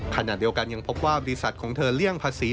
ขณะเดียวกันยังพบว่าบริษัทของเธอเลี่ยงภาษี